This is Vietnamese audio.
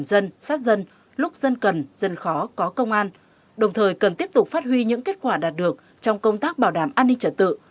dân sát dân lúc dân cần dân khó có công an đồng thời cần tiếp tục phát huy những kết quả đạt được trong công tác bảo đảm an ninh trật tự